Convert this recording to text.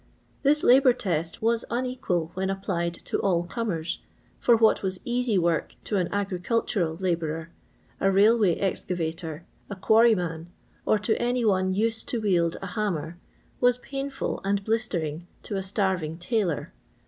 This labour test was unequal when applied to all comers ; for what was easy work to an agricid tural labourer, a railway excavator, a quanyman, or to any one used to wield a hammer, was painful and blistering to a starving tailor.